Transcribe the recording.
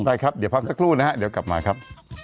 ได้ครับเดี๋ยวพักสักครู่นะฮะเดี๋ยวกลับมาครับ